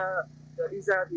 rất là rét rất là rét